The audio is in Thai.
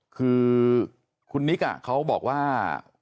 คือคุณนิกเขาบอกว่า